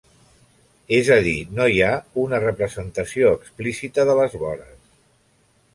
És a dir, no hi ha una representació explícita de les vores.